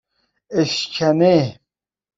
اشکنه